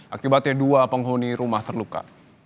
akibatnya dua penghuni rumah terluka